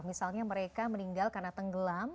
misalnya mereka meninggal karena tenggelam